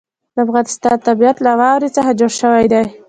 د افغانستان طبیعت له واوره څخه جوړ شوی دی.